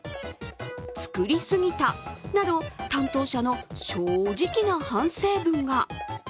作りすぎたなど、担当者の正直な反省文が。